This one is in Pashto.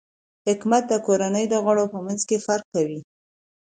حکمت د کورنۍ د غړو په منځ کې فرق کوي.